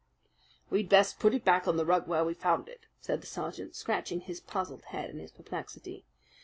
"We'd best put it back on the rug where we found it," said the sergeant, scratching his puzzled head in his perplexity.